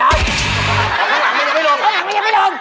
ทางหลังมันยังไม่ลงโอเค